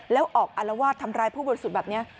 แล้วออกอารวาสทำร้ายผู้บริสุทธิ์แบบนี้